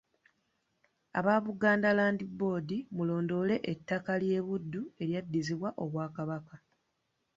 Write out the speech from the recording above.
Aba Buganda Land Board mulondoole ettaka ly'e Buddu eryaddizibwa Obwakabaka.